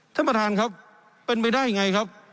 ท่านประธานครับเป็นไปได้ยังไงครับ